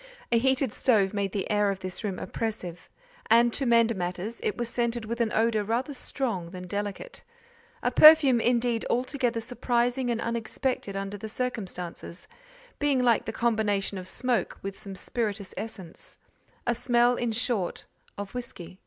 A heated stove made the air of this room oppressive; and, to mend matters, it was scented with an odour rather strong than delicate: a perfume, indeed, altogether surprising and unexpected under the circumstances, being like the combination of smoke with some spirituous essence—a smell, in short, of whisky.